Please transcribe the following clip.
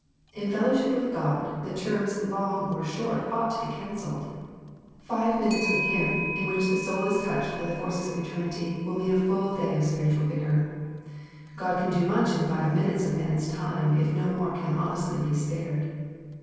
In fellowship with God the terms long or short ought to be cancelled. ^ Five minutes with Him in which the soul is touched by the forces of eternity will mean a day full of spiritual vigour. God can do much in five minutes of man's time if no more can honestly be spared.